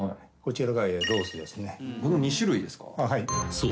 ［そう。